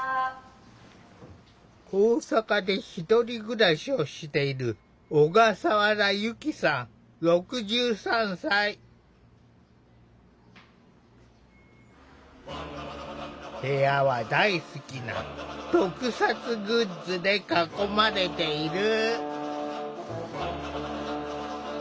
大阪で１人暮らしをしている部屋は大好きな特撮グッズで囲まれている。